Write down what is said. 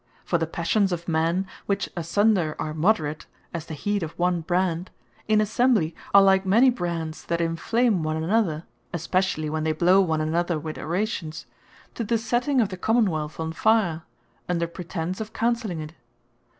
For the Passions of men, which asunder are moderate, as the heat of one brand; in Assembly are like many brands, that enflame one another, (especially when they blow one another with Orations) to the setting of the Common wealth on fire, under pretence of Counselling it.